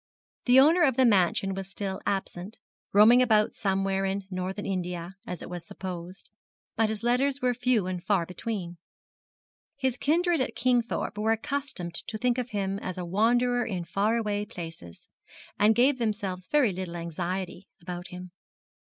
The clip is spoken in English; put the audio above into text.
The owner of the mansion was still absent, roaming about somewhere in Northern India, as it was supposed; but his letters were few and far between. His kindred at Kingthorpe were accustomed to think of him as a wanderer in far away places, and gave themselves very little anxiety about him.